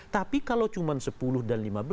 tapi kalau cuma sepuluh dan lima belas